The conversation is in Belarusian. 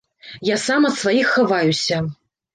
Я сам ад сваiх хаваюся.